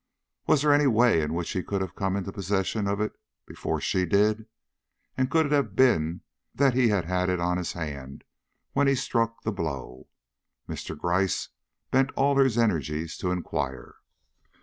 Was there any way in which he could have come into possession of it before she did? and could it have been that he had had it on his hand when he struck the blow? Mr. Gryce bent all his energies to inquire.